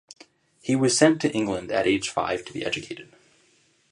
He was sent to England at age five to be educated.